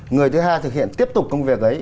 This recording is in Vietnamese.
người thứ hai thực hiện tiếp tục công việc đấy